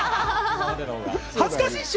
恥ずかしいっしょ！